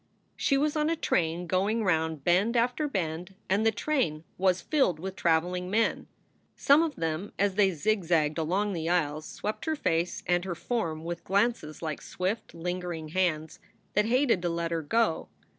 She was on a train going round bend after bend, and the train was filled with traveling men. Some of them, as they zigzagged along the aisles, swept her face and her form with glances like swift, lingering hands that hated to let her go.